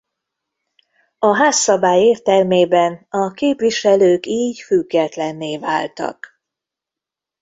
A házszabály értelmében a képviselők így függetlenné váltak.